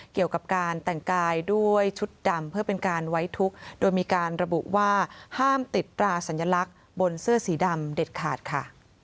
เกี่ยวกับการแต่งกายด้วยชุดดำเพื่อเป็นการไว้ทุกข์โดยมีการระบุว่าห้ามติดตราสัญลักษณ์บนเสื้อสีดำเด็ดขาดค่ะ